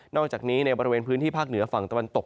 อกจากนี้ในบริเวณพื้นที่ภาคเหนือฝั่งตะวันตก